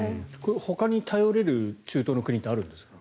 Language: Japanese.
ほかに頼れる中東の国ってあるんですか。